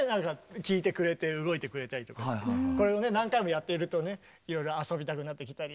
これを何回もやってるとねいろいろ遊びたくなってきたり。